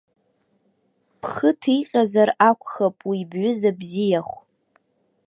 Бхы ҭиҟьазар акәхап уи бҩыза бзиахә!